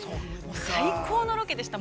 最高のロケでした。